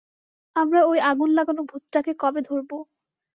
আমরা ওই আগুন লাগানো ভূতটাকে কবে ধরবো?